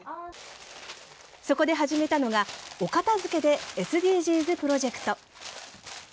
そこで始めたのが、お片づけでＳＤＧｓプロジェクト。